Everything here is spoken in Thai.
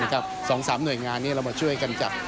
นะครับสองสามหน่วยงานนี่เรามาช่วยกันจับ